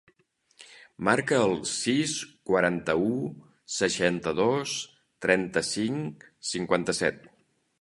Marca el sis, quaranta-u, seixanta-dos, trenta-cinc, cinquanta-set.